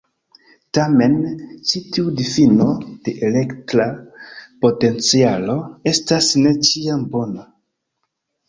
Tamen, ĉi tiu difino de elektra potencialo estas ne ĉiam bona.